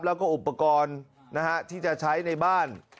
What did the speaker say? แล้วก็อุปกรณ์ที่จะใช้ในบ้าน